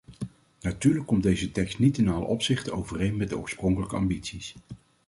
Natuurlijk komt deze tekst niet in alle opzichten overeen met de oorspronkelijke ambities.